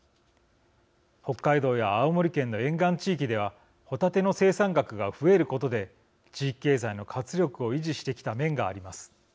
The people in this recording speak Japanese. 北海道や青森県の沿岸地域ではホタテの生産額が増えることで地域経済の活力を維持してきた面があります。